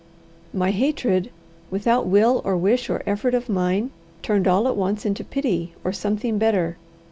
My hatred, without will or wish or effort of mine, turned all at once into pity or something better.